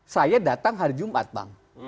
saya datang hari jumat bang